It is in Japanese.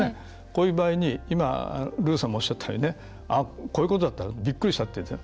こういう場合に今ルーさんもおっしゃったようにこういうことかってびっくりしたと。